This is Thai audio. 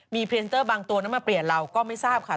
มีพรีเซนเตอร์บางตัวนั้นมาเปลี่ยนเราก็ไม่ทราบค่ะ